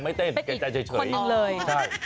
ไปติดคนอีกเลยครับอ๋อหรอนะครับฮ่า